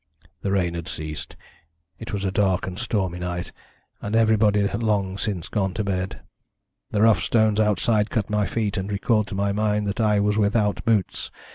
The rain had ceased, it was a dark and stormy night, and everybody long since gone to bed. The rough stones outside cut my feet, and recalled to my mind that I was without boots.